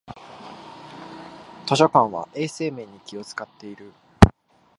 図書館は衛生面に気をつかっている